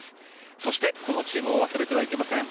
そして、このチームを忘れてはいけません。